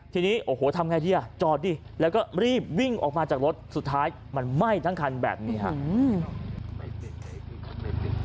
ทีนี้โอ้โหทำไงดีอ่ะจอดดิแล้วก็รีบวิ่งออกมาจากรถสุดท้ายมันไหม้ทั้งคันแบบนี้ครับ